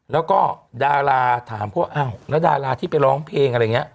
แล้วก็ดาราถามก็อ้าวแล้วดาราที่ไปร้องเพลงอะไรอย่างนี้